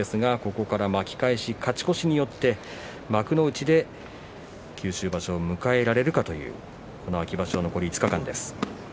ここから巻き返して勝ち越しをして幕内で九州場所を迎えられるかどうかという秋場所残り５日間です。